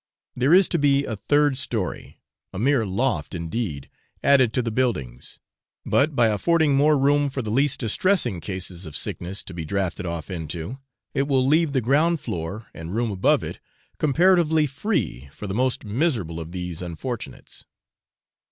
There is to be a third story a mere loft indeed added to the buildings, but by affording more room for the least distressing cases of sickness to be drafted off into, it will leave the ground floor and room above it comparatively free for the most miserable of these unfortunates.